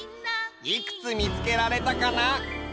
いくつみつけられたかな？